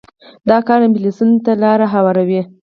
دا کار انفلاسیون ته لار هواروي.